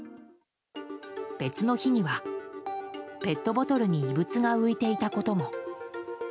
別の日にはペットボトルに異物が浮いていたことも。